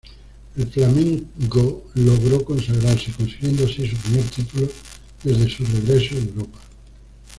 El Flamengo logró consagrarse, consiguiendo así su primer título desde su regreso de Europa.